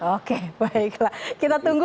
oke baiklah kita tunggu